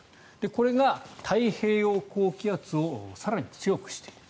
これが太平洋高気圧を更に強くしている。